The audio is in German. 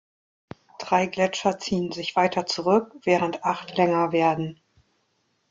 Drei Gletscher ziehen sich weiter zurück, während acht länger werden.